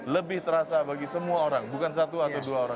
lebih terasa bagi semua orang bukan satu atau dua orang